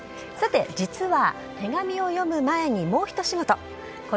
さて、実は手紙を読む前にもうひと仕事。